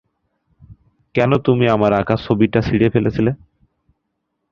কেন তুমি আমার আঁকা ছবিটা ছিঁড়ে ফেলেছিলে?